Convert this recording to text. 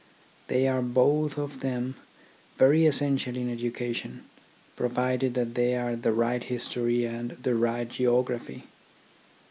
They are both of them very essential in education, provided that they are the right history and the right geography.